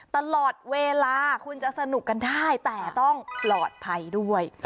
ตลอดเวลาคุณจะสนุกกันได้แต่ต้องปลอดภัยด้วย